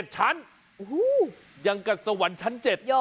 ๗ชั้นยังกับสวรรค์ชั้น๗